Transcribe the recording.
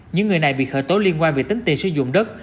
những người này bị khởi tố liên quan về tính tiền sử dụng đất